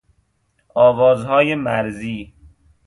آوازهای مرزی